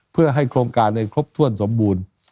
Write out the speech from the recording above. เพื่อให้โครงการในครบถ้วนสมบูรณ์